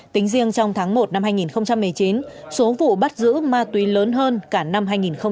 tính riêng trong tháng một năm hai nghìn một mươi chín số vụ bắt giữ ma túy lớn hơn cả năm hai nghìn một mươi tám